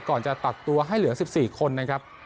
ก่อนจะตัดตัวให้เหลือ๑๔คนนะครับ